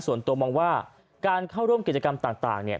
ส่วนตัวมองว่าการเข้าร่วมกิจกรรมต่างเนี่ย